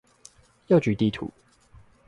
藥局地圖